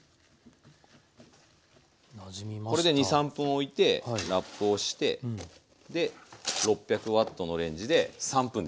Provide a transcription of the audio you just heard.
これで２３分おいてラップをしてで６００Ｗのレンジで３分です。